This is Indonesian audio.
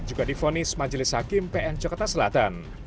juga difonis majelis hakim pn jakarta selatan